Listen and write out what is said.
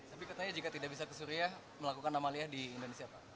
tapi katanya jika tidak bisa ke surya melakukan amalia di indonesia apa